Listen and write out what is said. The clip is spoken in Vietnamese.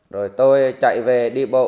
rồi tôi chạy về đi bộ